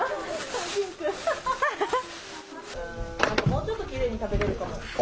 もうちょっときれいに食べれるかも。